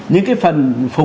nhưng cái phần phục